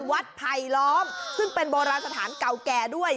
ไผลล้อมซึ่งเป็นโบราณสถานเก่าแก่ด้วย